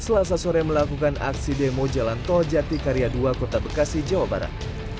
selasa sore melakukan aksi demo jalan tol jatikarya dua kota bekasi jawa barat